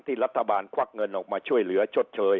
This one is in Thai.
ที่รัฐบาลควักเงินออกมาช่วยเหลือชดเชย